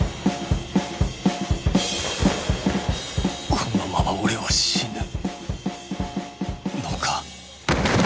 このまま俺は死ぬのか？